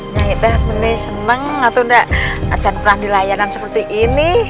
nyi iroh senang tidak akan berada di ruangan ini